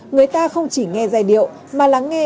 người ta không chỉ nghe giai điệu mà lắng nghe